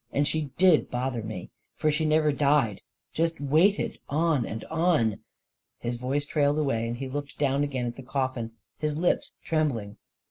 And she did bother me — for she never died — just waited on and on ..." His voice trailed away, and he looked down again at the coffin, his lips trembling.